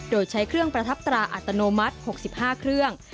โดยใช้เครื่องประทับตราอัตโนมัติ๖๕เครื่อง